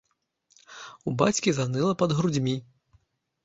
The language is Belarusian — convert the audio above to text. У бацькі заныла пад грудзьмі.